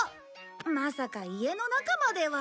まさか家の中までは。